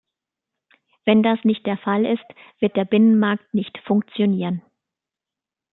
Wenn das nicht der Fall ist, wird der Binnenmarkt nicht funktionieren.